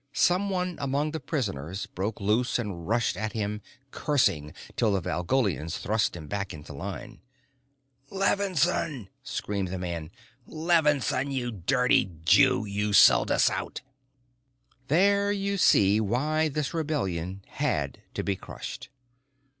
Someone among the prisoners broke loose and rushed at him, cursing, till the Valgolians thrust him back into line. "Levinsohn!" screamed the man. "Levinsohn, you dirty Jew, you sold us out!" There you see why this rebellion had to be crushed.